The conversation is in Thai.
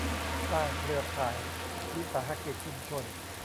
สร้างเครือข่ายวิสาหกิจชุมชน